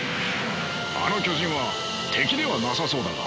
あの巨人は敵ではなさそうだが。